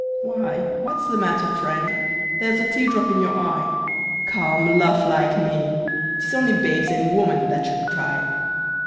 Why, what's the matter, friend? There's a tear drop in you eye, Come, laugh like me. 'Tis only babes and women that should cry.